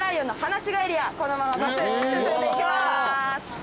このまま真っすぐ進んでいきます。